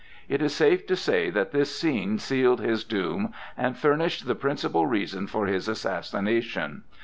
It is safe to say that this scene sealed his doom and furnished the principal reason for his assassination.